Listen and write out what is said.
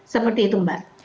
seperti itu mbak